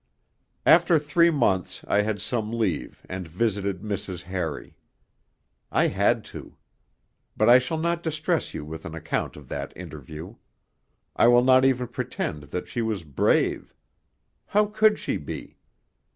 III After three months I had some leave and visited Mrs. Harry. I had to. But I shall not distress you with an account of that interview. I will not even pretend that she was 'brave.' How could she be?